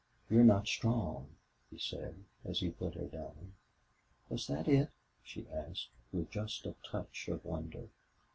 "You're not strong," he said, as he put her down. "Was that it?" she asked, with just a touch of wonder.